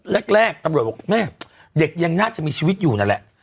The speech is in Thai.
แรกตำรวจบอกแม่เด็กยังน่าจะมีชีวิตอยู่นั่นแหละ